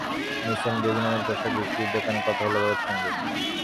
Miss and baby নামের পোশাক বিক্রির দোকানে কথা হলো তাঁদের সঙ্গে।